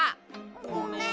ごめん。